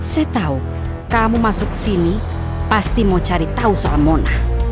saya tahu kamu masuk sini pasti mau cari tahu soal mona